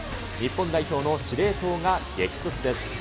日本代表の司令塔が激突です。